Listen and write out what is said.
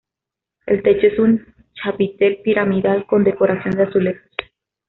El techo es un chapitel piramidal con decoración de azulejos.